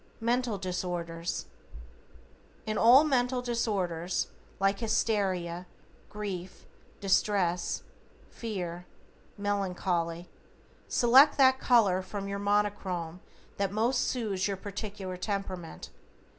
=MENTAL DISORDERS:= In all mental disorders, like Hysteria, Grief, Distress, Fear, Melancholy, select that color from your Monochrome that most soothes your particular temperament.